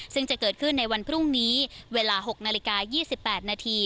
ซึ่งจะเกิดขึ้นในวันพรุ่งนี้เวลา๖นาฬิกา๒๘นาที